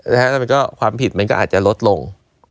แล้วก็ความผิดมันก็อาจจะลดลง